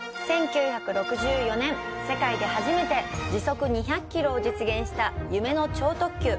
１９６４年、世界で初めて時速２００キロを実現した夢の超特急。